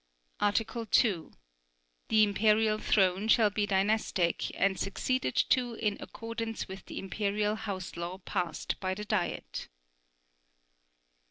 Article 2. The Imperial Throne shall be dynastic and succeeded to in accordance with the Imperial House law passed by the Diet.